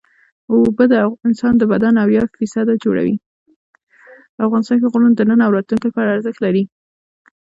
افغانستان کې غرونه د نن او راتلونکي لپاره ارزښت لري.